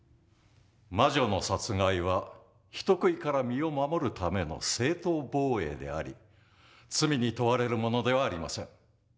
魔女の殺害は人食いから身を守るための正当防衛であり罪に問われるものではありません。